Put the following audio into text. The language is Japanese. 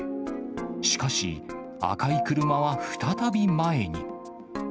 しかし、赤い車は再び前に。